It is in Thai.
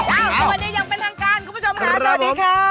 อ้าวสวัสดียังเป็นทางการคุณผู้ชมหาสวัสดีค่ะ